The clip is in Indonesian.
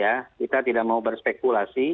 ya kita tidak mau berspekulasi